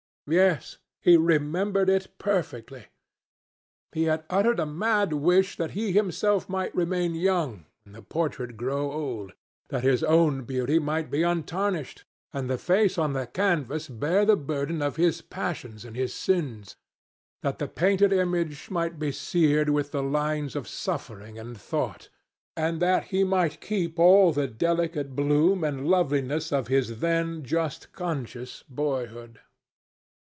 Yes, he remembered it perfectly. He had uttered a mad wish that he himself might remain young, and the portrait grow old; that his own beauty might be untarnished, and the face on the canvas bear the burden of his passions and his sins; that the painted image might be seared with the lines of suffering and thought, and that he might keep all the delicate bloom and loveliness of his then just conscious boyhood.